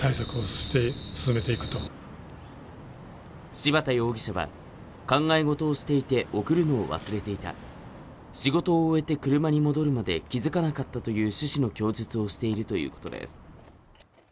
柴田容疑者は考え事をしていて送るのを忘れていた仕事を終えて車に戻るまで気づかなかったという趣旨の供述をしているということです